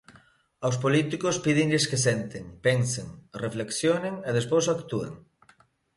Aos políticos pídenlles que senten, pensen, reflexionen e despois actúen.